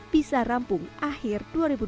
bisa rampung akhir dua ribu dua puluh